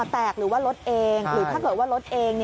แตกหรือว่ารถเองหรือถ้าเกิดว่ารถเอง